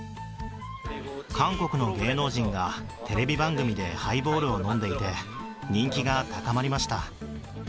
韓国の芸能人がテレビ番組でハイボールを飲んでいて、人気が高まりました。